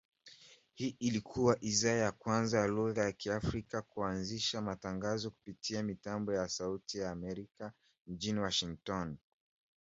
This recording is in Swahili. Hii ilikua idhaa ya kwanza ya lugha ya Kiafrika kuanzisha matangazo kupitia mitambo ya Sauti ya Amerika mjini Washington